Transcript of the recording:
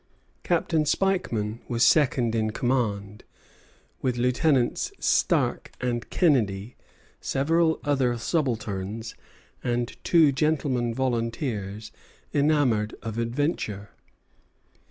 Captain Spikeman was second in command, with Lieutenants Stark and Kennedy, several other subalterns, and two gentlemen volunteers enamoured of adventure.